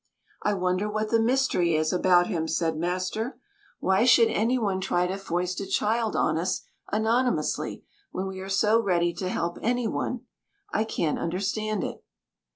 "I wonder what the mystery is about him," said master. "Why should any one try to foist a child on us anonymously, when we are so ready to help any one? I can't understand it."